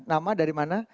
nama dari mana